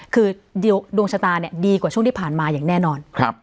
คือดวงชะตาดีกว่าช่วงที่ผ่านมาอย่างแน่นอน